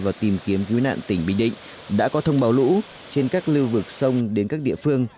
và tìm kiếm cứu nạn tỉnh bình định đã có thông báo lũ trên các lưu vực sông đến các địa phương